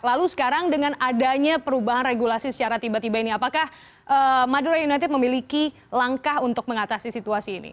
lalu sekarang dengan adanya perubahan regulasi secara tiba tiba ini apakah madura united memiliki langkah untuk mengatasi situasi ini